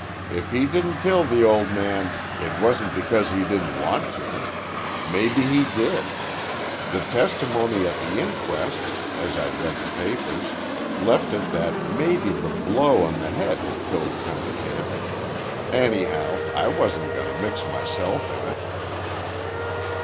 If he didn't kill the old man, it wasn't because he didn't want to. Maybe he did. The testimony at the inquest, as I read the papers, left it that maybe the blow on the head had killed Cunningham. Anyhow, I wasn't gonna mix myself in it."